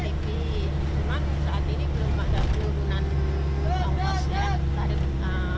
tidak ada penurunan dari penumpang untuk minit ini